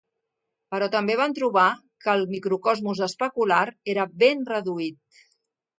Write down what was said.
Però també van trobar que el microcosmos especular era ben reduït.